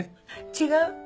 違う？